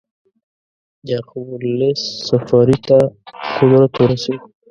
یعقوب اللیث صفاري ته قدرت ورسېد.